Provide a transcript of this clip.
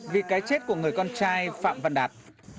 vì cái chết của người con trai phạm văn đạt